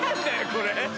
これ。